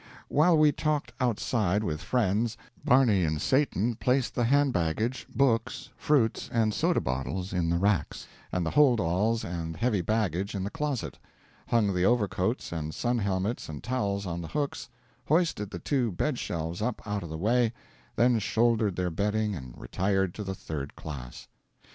While we talked outside with friends, Barney and Satan placed the hand baggage, books, fruits, and soda bottles in the racks, and the hold alls and heavy baggage in the closet, hung the overcoats and sun helmets and towels on the hooks, hoisted the two bed shelves up out of the way, then shouldered their bedding and retired to the third class.